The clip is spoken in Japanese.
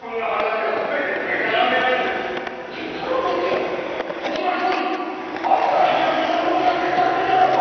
でたらめって大島教授あんたが言ってる事のほうがでたらめじゃないか！